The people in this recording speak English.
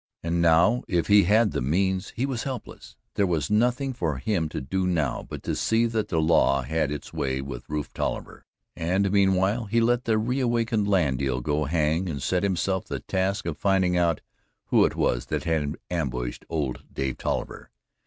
And now if he had the means, he was helpless. There was nothing for him to do now but to see that the law had its way with Rufe Tolliver, and meanwhile he let the reawakened land deal go hang and set himself the task of finding out who it was that had ambushed old Dave Tolliver.